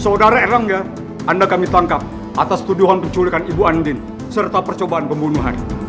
saudara erlangga anda kami tangkap atas tuduhan penculikan ibu andin serta percobaan pembunuhan